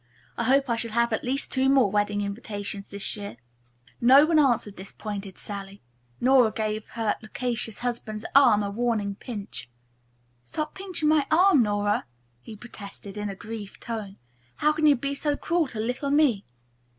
"I hope I shall have at least two more wedding invitations this year." No one answered this pointed sally. Nora gave her loquacious husband's arm a warning pinch. "Stop pinching my arm, Nora," he protested in a grieved tone. "How can you be so cruel to little me?"